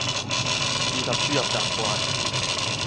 以及輸入習慣